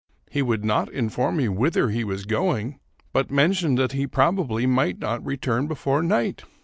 He would not inform me whither he was going, but mentioned that he probably might not return before night."